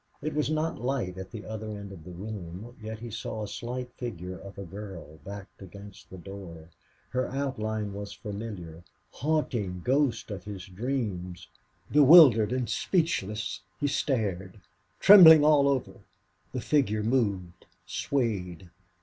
It was not light at the other end of the room, yet he saw a slight figure of a girl backed against the door. Her outline was familiar. Haunting ghost of his dreams! Bewildered and speechless, he stared, trembling all over. The figure moved, swayed.